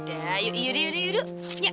yaudah yuk yuk yuk